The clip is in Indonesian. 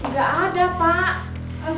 gak ada pak